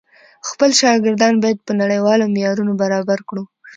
خپل شاګردان بايد په نړيوالو معيارونو برابر کړو.